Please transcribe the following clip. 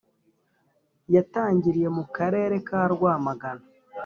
yatangiriye mu karere ka rwamagana